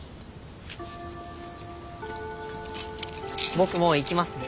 僕もう行きますね。